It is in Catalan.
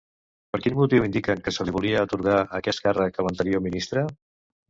Per quin motiu indiquen que se li volia atorgar aquest càrrec a l'anterior ministre?